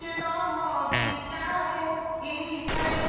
もう時間いっぱい